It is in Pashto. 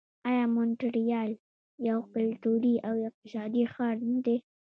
آیا مونټریال یو کلتوري او اقتصادي ښار نه دی؟